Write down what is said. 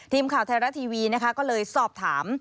ทีมข่าวไทยรัตน์ทีวีก็เลยสอบถาม